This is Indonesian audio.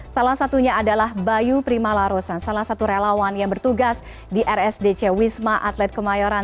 salah satunya adalah bayu primalarosan salah satu relawan yang bertugas di rsdc wisma atlet kemayoran